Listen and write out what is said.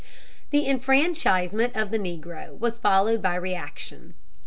The enfranchisement of the Negro was followed by reaction.